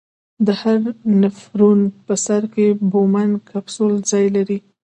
د هر نفرون په سر کې بومن کپسول ځای لري.